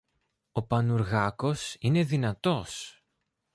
Ο Πανουργάκος είναι δυνατός!